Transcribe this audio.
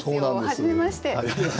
はじめまして。